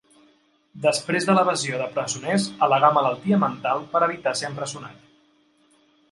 Després de l'evasió de presoners al·legà malaltia mental per evitar ser empresonat.